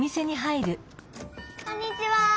こんにちは！